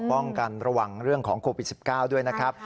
ป้องกันระวังเรื่องของโควิด๑๙ด้วยนะครับ